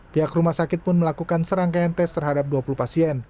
pihak rumah sakit pun melakukan serangkaian tes terhadap dua puluh pasien